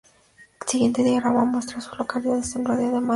El siguiente diagrama muestra a las localidades en un radio de de Madison.